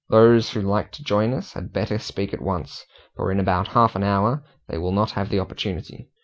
Those who like to join us had better speak at once, for in about half an hour they will not have the opportunity."